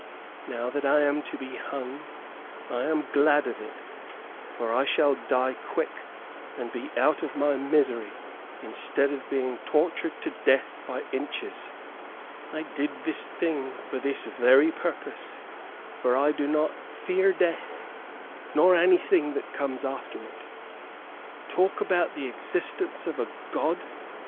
Now that I am to be hung, I am glad of it, for I shall die quick, and be out of my misery, instead of being tortured to death by inches. I did this thing for this very purpose, for I do not fear death nor anything that comes after it. Talk about the existence of a God!